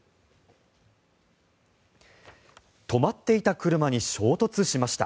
止まっていた車に衝突しました。